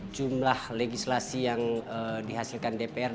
jumlah legislasi yang dihasilkan dpr dari dpr